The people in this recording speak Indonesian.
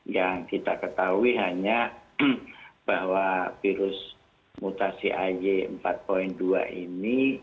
yang kita ketahui hanya bahwa virus mutasi ay empat dua ini